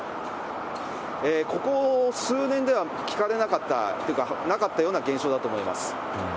ここ数年では聞かれなかったというか、なかったような現象だと思います。